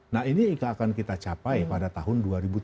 nah ini akan kita capai pada tahun dua ribu tujuh belas